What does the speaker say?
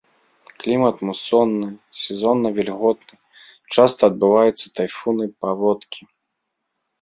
Клімат мусонны, сезонна-вільготны, часта адбываюцца тайфуны, паводкі.